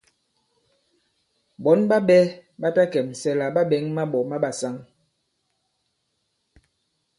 Ɓɔ̌n ɓa ɓɛ̄ ɓa ta kɛ̀msɛ la ɓa ɓɛ̌ŋ maɓɔ̀ ma ɓàsaŋ.